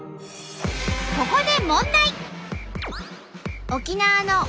ここで問題。